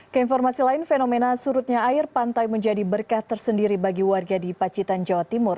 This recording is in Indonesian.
keinformasi lain fenomena surutnya air pantai menjadi berkah tersendiri bagi warga di pacitan jawa timur